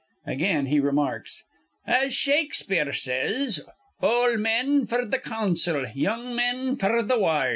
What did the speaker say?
Again he remarks, "As Shakespeare says, 'Ol' men f'r th' council, young men f'r th' ward.'"